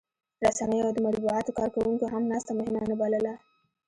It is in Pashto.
رسنیو او د مطبوعاتو کارکوونکو هم ناسته مهمه نه بلله